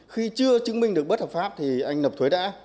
khi chưa chứng minh được bất hợp pháp thì anh nập thuế đã